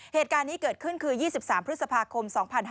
เหตุการณ์นี้เกิดขึ้นคือ๒๓พฤษภาคม๒๕๕๙